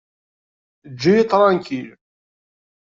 Eǧǧ-iyi ṭranklil!